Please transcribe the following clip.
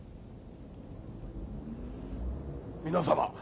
皆様